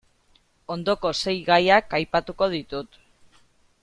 Ondoko sei gaiak aipatuko ditut.